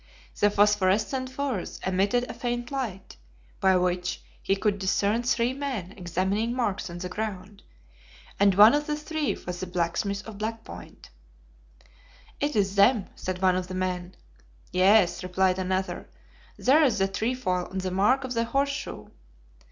The phosphorescent furze emitted a faint light, by which he could discern three men examining marks on the ground, and one of the three was the blacksmith of Black Point. "'It is them!' said one of the men. 'Yes,' replied another, 'there is the trefoil on the mark of the horseshoe.